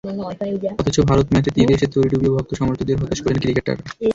অথচ ভারত ম্যাচে তীরে এসে তরি ডুবিয়ে ভক্ত-সমর্থকদের হতাশ করলেন ক্রিকেটাররা।